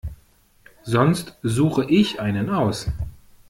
Sonst suche ich einen aus.